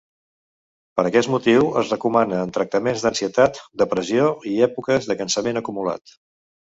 Per aquest motiu es recomana en tractaments d’ansietat, depressió i èpoques de cansament acumulat.